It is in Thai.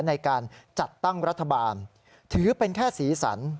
ในการจัดตั้งรัฐบาลถือเป็นแค่สีสัน